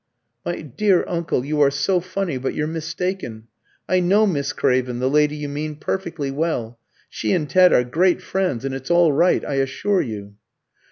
"My dear uncle, you are so funny; but you're mistaken. I know Miss Craven, the lady you mean, perfectly well; she and Ted are great friends, and it's all right, I assure you."